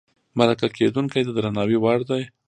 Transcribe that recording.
مرکه کېدونکی د درناوي وړ دی.